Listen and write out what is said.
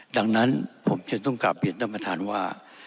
ดังนั้นผมจะต้องกลับเรียนต้นมาท่านว่า